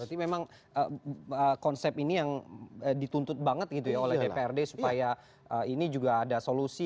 berarti memang konsep ini yang dituntut banget gitu ya oleh dprd supaya ini juga ada solusi